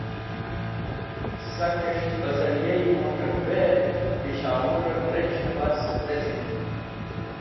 Sakes̃h bazariai Mot̃orway Peshowur rec̃hne bas wezin